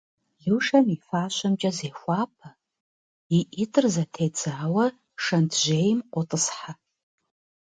Лушэм и фащэмкӏэ зехуапэ, и ӏитӏыр зэтедзауэ шэнтжьейм къотӏысхьэ.